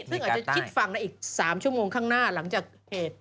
ซึ่งอาจจะคิดฟังนะอีก๓ชั่วโมงข้างหน้าหลังจากเหตุ